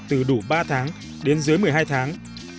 từ đủ ba tháng đến dưới một mươi hai tháng